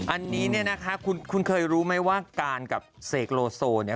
อันนี้เนี่ยนะคะคุณเคยรู้ไหมว่าการกับเสกโลโซเนี่ย